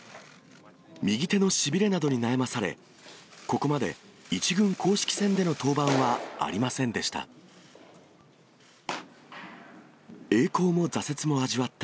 右手のしびれなどに悩まされ、ここまで１軍公式戦での登板はありませんでした。